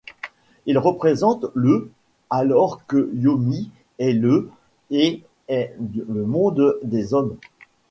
Il représente le alors que Yomi est le et est le monde des hommes.